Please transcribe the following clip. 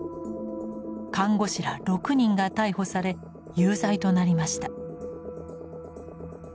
看護師ら６人が逮捕され有罪となりました。